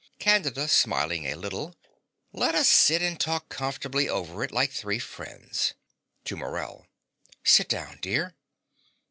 CANDIDA (smiling a little). Let us sit and talk comfortably over it like three friends. (To Morell.) Sit down, dear.